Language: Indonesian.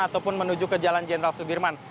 ataupun menuju ke jalan jendral subirman